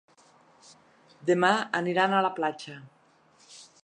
Demà aniran a la platja.